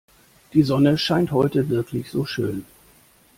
Die Sonne scheint heute wirklich so schön.